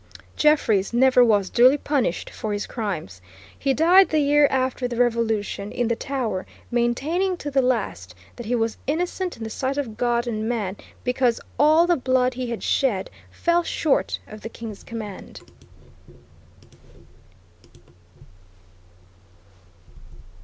Jeffreys never was duly punished for his crimes. He died the year after the Revolution, in the Tower, maintaining to the last that he was innocent in the sight of God and man because "all the blood he had shed fell short of the King's command."